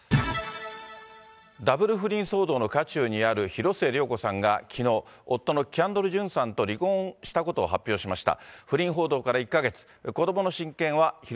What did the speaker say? ダブル不倫騒動の渦中にある広末涼子さんがきのう、夫のキャンドル・ジュンさんと離婚したことを発表しました。